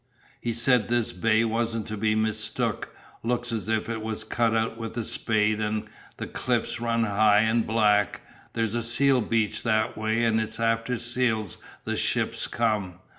He said this bay wasn't to be mistook, looks as if it was cut out with a spade and the cliffs run high and black, there's a seal beach that way and it's after seals the ships come.